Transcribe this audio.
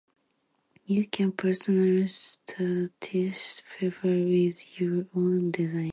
You can personalise the tissue paper with your own design.